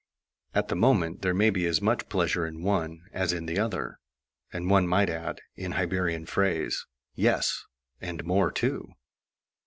At the moment there may be as much pleasure in one as in the other (and one might add, in Hibernian phrase, "Yes, and more too.").